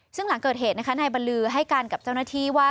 ซึ่งหลังเกิดเหตุนะคะนายบรรลือให้การกับเจ้าหน้าที่ว่า